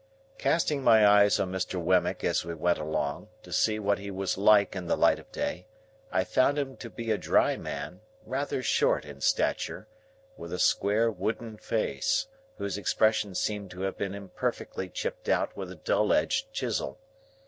Casting my eyes on Mr. Wemmick as we went along, to see what he was like in the light of day, I found him to be a dry man, rather short in stature, with a square wooden face, whose expression seemed to have been imperfectly chipped out with a dull edged chisel.